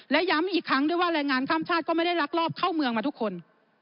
และย้ำอีกครั้งด้วยว่าแรงงานข้ามชาติก็ไม่ได้ลักลอบเข้าเมืองมาทุกคน